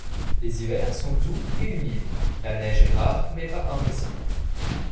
Les hivers sont doux et humides, la neige est rare mais pas impossible.